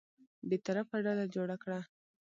بېطرفه ډله جوړه کړه.